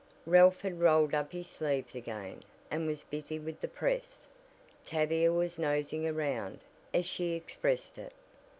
Ralph had rolled up his sleeves again, and was busy with the press. Tavia was "nosing around," as she expressed it.